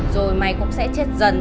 rồi mày cũng sẽ chết dần